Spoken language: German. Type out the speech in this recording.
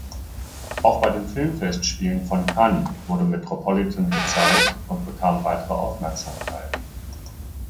Auch bei den Filmfestspielen von Cannes wurde "Metropolitan" gezeigt und bekam weitere Aufmerksamkeit.